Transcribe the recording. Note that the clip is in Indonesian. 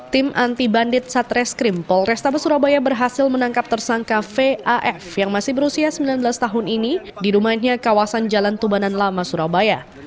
tim anti bandit satreskrim polrestabes surabaya berhasil menangkap tersangka vaf yang masih berusia sembilan belas tahun ini di rumahnya kawasan jalan tubanan lama surabaya